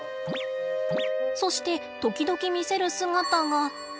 そして時々見せる姿が？